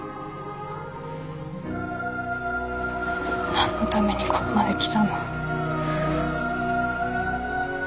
何のためにここまで来たの。